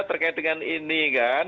terkait dengan ini kan